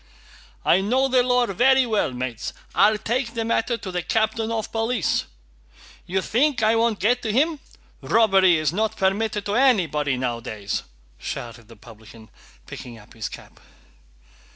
"I know the law very well, mates! I'll take the matter to the captain of police. You think I won't get to him? Robbery is not permitted to anybody nowadays!" shouted the publican, picking up his cap.